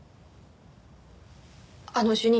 あの主任。